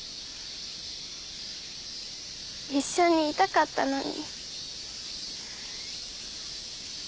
一緒にいたかったのに。